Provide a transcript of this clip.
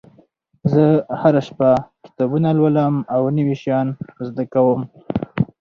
زه هره شپه کتابونه لولم او نوي شیان زده کوم